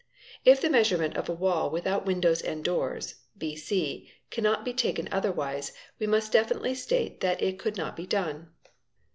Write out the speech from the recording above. If the measurement of a wall without windows and doors (bc) cannot be taken otherwise, we must definitely state that it could not be done.